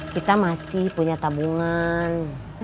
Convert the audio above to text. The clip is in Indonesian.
kita masih punya tabungan